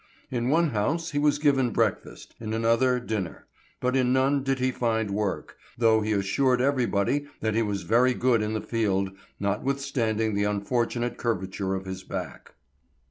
In one house he was given breakfast, in another dinner, but in none did he find work, though he assured everybody that he was very good in the field, notwithstanding the unfortunate curvature of his back.